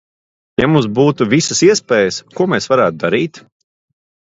Ja mums būtu visas iespējas, ko mēs varētu darīt?